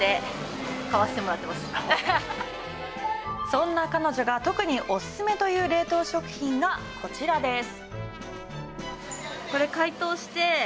そんな彼女が特にオススメという冷凍食品がこちらです。